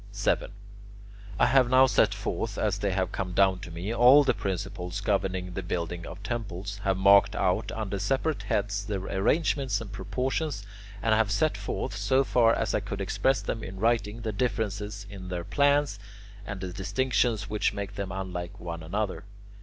7. I have now set forth, as they have come down to me, all the principles governing the building of temples, have marked out under separate heads their arrangements and proportions, and have set forth, so far as I could express them in writing, the differences in their plans and the distinctions which make them unlike one another.